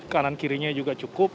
kanan kirinya juga cukup